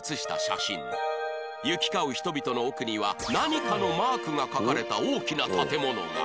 行き交う人々の奥には何かのマークが書かれた大きな建物が